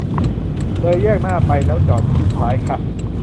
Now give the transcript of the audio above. เลยแยกหน้าไปแล้วจอดชิดซ้ายค่ะ